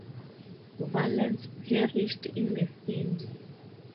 Valens perished in the flames.